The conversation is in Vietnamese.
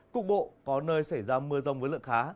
cục bộ có nơi xảy ra mưa rông với lượng khá